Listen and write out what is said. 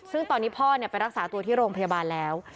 ซึ่งตอนนี้พ่อไปรักษาตัวที่โรงพยาบาลแล้ว